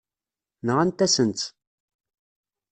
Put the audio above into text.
Nɣant-asen-tt.